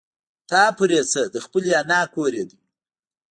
تا پورې څه د خپلې نيا کور يې دی.